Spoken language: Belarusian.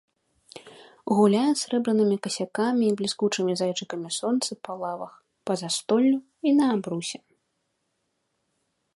Гуляе срэбранымі касякамі і бліскучымі зайчыкамі сонца па лавах, па застоллю і на абрусе.